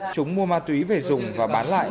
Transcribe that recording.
chúng mua ma túy về dùng và bán lại